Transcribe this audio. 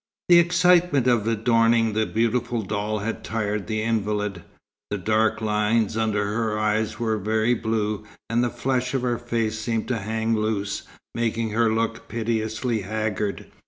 The excitement of adorning the beautiful doll had tired the invalid. The dark lines under her eyes were very blue, and the flesh of her face seemed to hang loose, making her look piteously haggard.